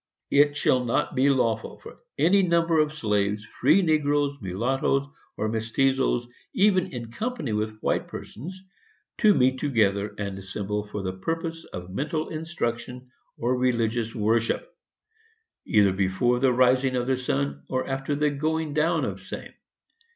] It shall not be lawful for any number of slaves, free negroes, mulattoes or mestizoes, even in company with white persons, to meet together and assemble for the purpose of mental instruction or religious worship, either before the rising of the sun, or after the going down of the same.